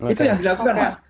itu yang dilakukan mas